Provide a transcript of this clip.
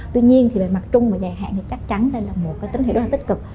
tuy nhiên bề mặt trung và dài hạn chắc chắn là một tính hiệu rất tích cực